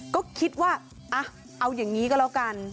ก็คิดว่าเอาอย่างนี้ก็แล้วกัน